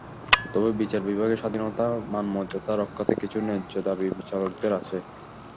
তবে বিচার বিভাগের স্বাধীনতা, মানমর্যাদা রক্ষার্থে কিছু ন্যায্য দাবি বিচারকদের আছে।